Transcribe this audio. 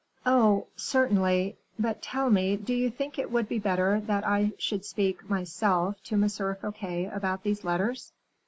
"Oh! certainly. But tell me, do you think it would be better that I should speak, myself, to M. Fouquet about these letters?"